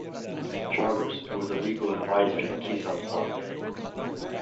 Charmers, who was the legal advisor to the Kisan Sangh.